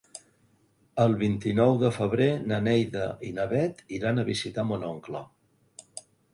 El vint-i-nou de febrer na Neida i na Bet iran a visitar mon oncle.